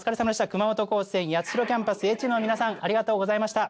熊本高専八代キャンパスＡチームの皆さんありがとうございました。